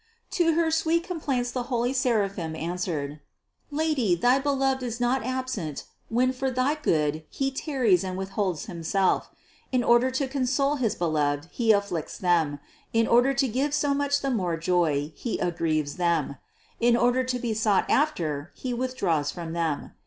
To her sweet complaints the holy seraphim an swered : "Lady, thy Beloved is not absent when for thy good He tarries and withholds Himself ; in order to con sole his beloved, He afflicts them, in order to give so much the more joy, He aggrieves them, in order to be sought after, He withdraws from them.